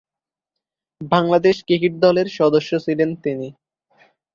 Bangladesh cricket দলের সদস্য ছিলেন তিনি।